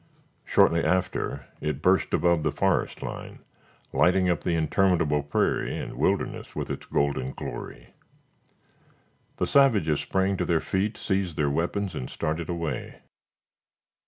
Shortly after, it burst above the forest line, lighting up the interminable prairie and wilderness with its golden glory. The savages sprang to their feet, seized their weapons and started away.